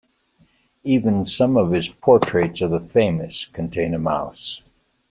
Even some of his portraits of the famous contain a mouse.